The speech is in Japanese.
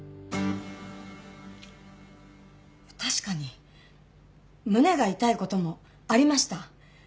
確かに胸が痛い事もありました。